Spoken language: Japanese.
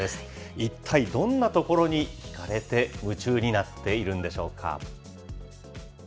一体どんなところに引かれて夢中になっているんでしょうか。